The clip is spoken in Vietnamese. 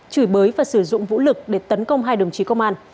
chửi bới và sử dụng vũ lực để tấn công hai đồng chí công an